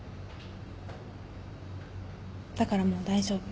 だからもう大丈夫。